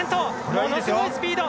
ものすごいスピード。